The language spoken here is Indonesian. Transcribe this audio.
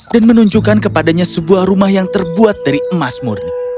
dan menunjukkan kepadanya sebuah rumah yang terbuat dari emas murni